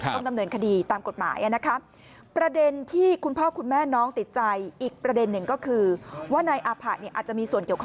ต้องดำเนินคดีตามกฎหมายประเด็นที่คุณพ่อคุณแม่น้องติดใจ